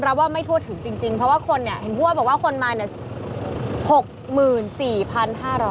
เพราะว่าคนเนี่ยผู้ว่าบอกว่าคนมาเนี่ย๖๔๕๐๐